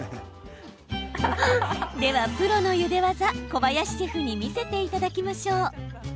では、プロのゆで技小林シェフに見せていただきましょう。